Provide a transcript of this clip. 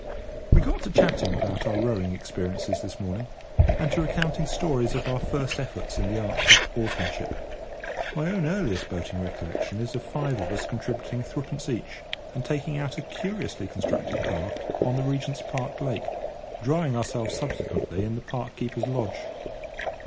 We got to chatting about our rowing experiences this morning, and to recounting stories of our first efforts in the art of oarsmanship. My own earliest boating recollection is of five of us contributing threepence each and taking out a curiously constructed craft on the Regent's Park lake, drying ourselves subsequently, in the park keeper's lodge.